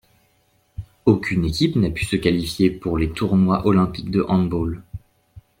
Aucune équipe n'a pu se qualifier pour les tournois olympiques de handball.